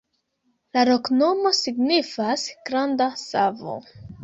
La loknomo signifas: granda savo.